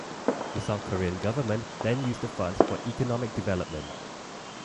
The South Korean government then used the funds for economic development.